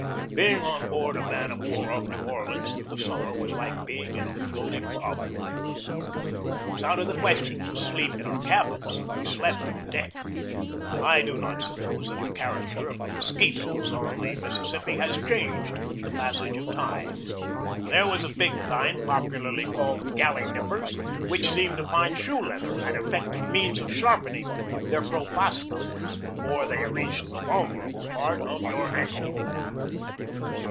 Being on board a man of war off New Orleans through the summer was like being in a floating oven. It was out of the question to sleep in our cabins. We slept on deck. I do not suppose that the character of the mosquitoes on the Mississippi has changed with the passage of time. There was a big kind popularly called "gallinippers," which seemed to find shoe leather an effective means of sharpening their proboscides before they reached the vulnerable part of your ankle.